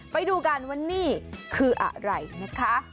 ไปดูกันว่านี่คืออะไรนะคะ